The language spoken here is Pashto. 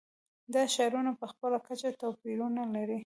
دا ښارونه په خپله کچه توپیرونه لري.